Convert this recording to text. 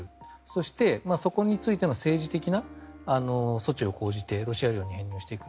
そして、そこについての政治的な措置を講じてロシア領に編入していく。